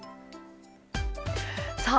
さあ